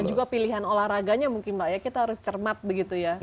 dan juga pilihan olahraganya mungkin pak ya kita harus cermat begitu ya